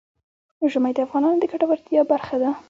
ژمی د افغانانو د ګټورتیا برخه ده.